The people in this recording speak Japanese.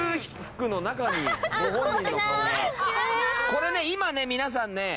これね今ね皆さんね